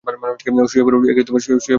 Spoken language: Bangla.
শুয়ে পড়ুন, প্লিজ।